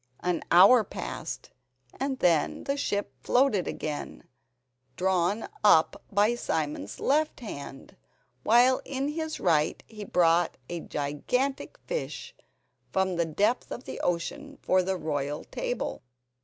An hour passed, and then the ship floated again, drawn up by Simon's left hand, while in his right he brought a gigantic fish from the depth of the ocean for the royal table.